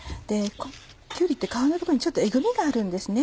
きゅうりって皮のとこにちょっとエグミがあるんですね。